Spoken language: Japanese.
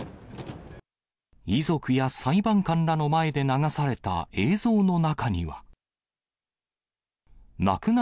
遺族や裁判官らの前で流された映像の中には。